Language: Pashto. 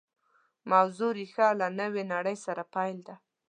موضوع ریښه له نوې نړۍ سره پیل ده